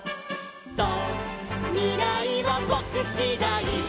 「そうみらいはぼくしだい」